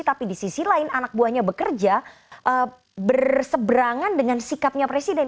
tapi di sisi lain anak buahnya bekerja berseberangan dengan sikapnya presiden